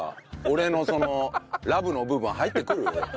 俺のそのラブの部分入ってくる？